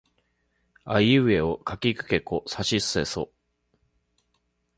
あいうえおかきくけこさしせそ